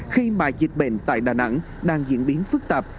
khi mà dịch bệnh tại đà nẵng đang diễn biến phức tạp